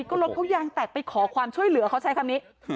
ก็รถเขายางแตกไปขอความช่วยเหลือเขาใช้คำนี้